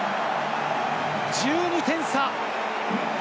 １２点差。